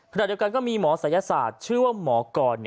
ขณะเดียวกันก็มีหมอศัยศาสตร์ชื่อว่าหมอกร